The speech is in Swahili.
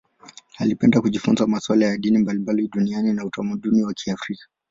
Alipenda kujifunza masuala ya dini mbalimbali duniani na utamaduni wa Kiafrika.